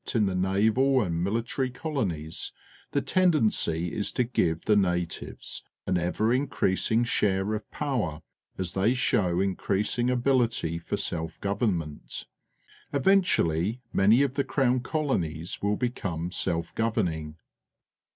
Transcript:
In ever}' Crown Colony is a Governor, colonies, the tendency is to give the natives an ever increasing share of power as they show increasing ability for self government. Eventually, many of the Crown Colonies will become self governing.